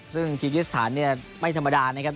ซึ่งคีกิสถานเนี่ยไม่ธรรมดานะครับ